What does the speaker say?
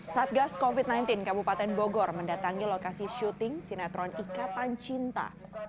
satgas covid sembilan belas kabupaten bogor mendatangi lokasi syuting sinetron ikatan cinta